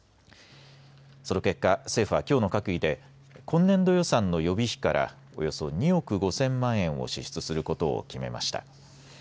その結果、政府はきょうの閣議で今年度予算の予備費からおよそ２億５０００万円を支出することを決めました。